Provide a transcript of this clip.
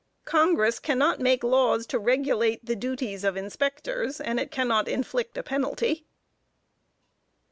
Congress cannot make laws to regulate the duties of Inspectors, and it cannot inflict a penalty.